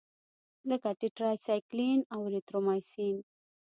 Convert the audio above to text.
لکه ټیټرایسایکلین او اریترومایسین.